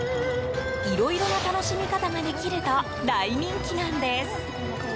いろいろな楽しみ方ができると大人気なんです。